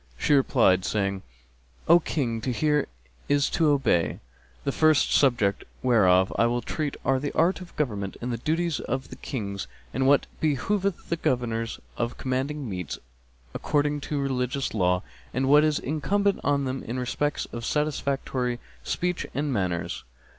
She replied, saying: "O King, to hear is to obey.[FN#259] The first subjects whereof I will treat are the art of government and the duties of Kings and what behoveth governors of command meets according to religious law, and what is incumbent on them in respect of satisfactory speech and manners.